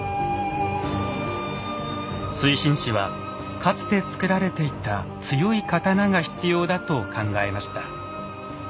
水心子はかつて作られていた強い刀が必要だと考えました。